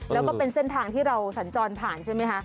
แล้วก็เป็นเส้นทางที่เราสัญจรผ่านใช่ไหมคะ